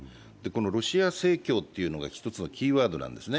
ロシア正教というのが１つのキーワードなんですね。